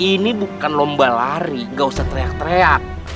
ini bukan lomba lari gak usah teriak teriak